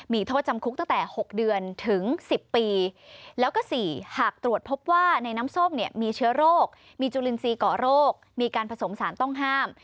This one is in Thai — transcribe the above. มีโทษจำคุกตั้งแต่๖เดือนถึง๑๐ปีแล้วก็๔หากตรวจพบว่าในน้ำส้มเนี่ยมีเชื้อโรคมีจุลินทรีย์เกาะโรคมีการผสมสารต้องห้าม